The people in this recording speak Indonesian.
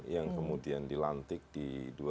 yang kemudian dilantik di dua ribu dua puluh